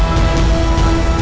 kamu yang nutritious